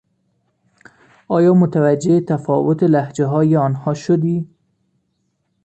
آیا متوجه تفاوت لهجههای آنها شدی؟